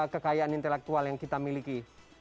kekayaan intelektual yang kita miliki